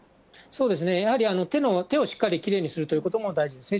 そうですね、やはり手をしっかりきれいにするということも大事です。